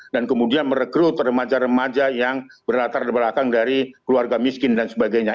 dan kemudian merekrut remaja remaja yang berlatar di belakang dari keluarga miskin dan sebagainya